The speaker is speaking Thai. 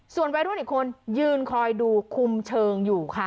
ส่วนวัยรุ่นอีกคนยืนคอยดูคุมเชิงอยู่ค่ะ